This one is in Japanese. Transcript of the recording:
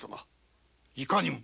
いかにも。